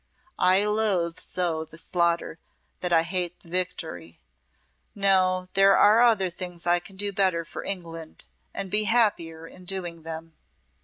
I loathe so the slaughter that I hate the victory. No; there are other things I can do better for England, and be happier in doing them."